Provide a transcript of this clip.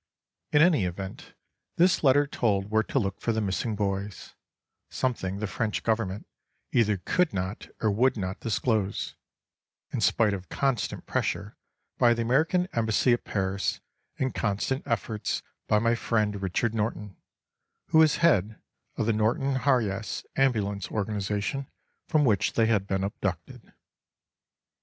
In any event this letter told where to look for the missing boys—something the French government either could not or would not disclose, in spite of constant pressure by the American Embassy at Paris and constant efforts by my friend Richard Norton, who was head of the Norton Harjes Ambulance organization from which they had been abducted.